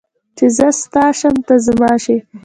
چې زه ستا شم ته زما شې